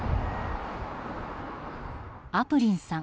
アプリンさん。